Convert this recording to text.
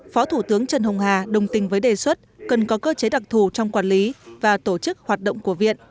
phó thủ tướng trần hồng hà đồng tình với đề xuất cần có cơ chế đặc thù trong quản lý và tổ chức hoạt động của viện